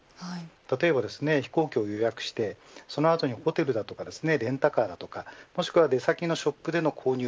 例えば飛行機を予約してそのあとにホテルだとかレンタカーとかもしくは出先のショップでの購入